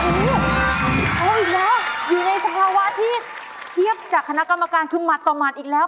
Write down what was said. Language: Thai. เอาอีกแล้วอยู่ในสภาวะที่เทียบจากคณะกรรมการคือหมัดต่อหมัดอีกแล้ว